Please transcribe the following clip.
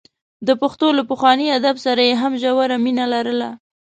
د پښتو له پخواني ادب سره یې هم ژوره مینه لرله.